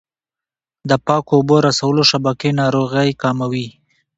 د پاکو اوبو رسولو شبکې ناروغۍ کموي.